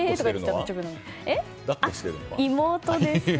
妹です。